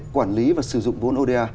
quản lý và sử dụng vốn oda